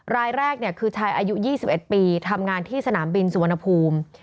รายแรกคือชายอายุ๒๑ปีทำงานที่สนามบินสุวรรณภูมิ